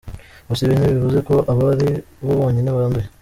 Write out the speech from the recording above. Gusa ibi ntibivuze ko aba ari bo bonyine banduye .